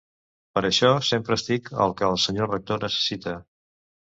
Per això sempre estic al que el senyor rector necessita.